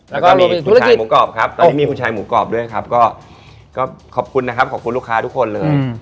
แล้วก็มีคุณชายหมูกรอบครับแล้วก็มีคุณชายหมูกรอบด้วยครับก็ขอบคุณนะครับขอบคุณลูกค้าทุกคนเลย